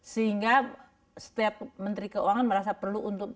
sehingga setiap menteri keuangan merasa perlu untuk